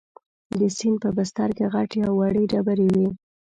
د سیند په بستر کې غټې او وړې ډبرې وې.